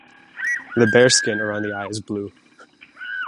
The bare skin around the eye is blue.